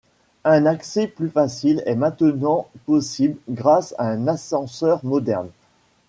Un accès plus facile est maintenant possible grâce à un ascenseur moderne.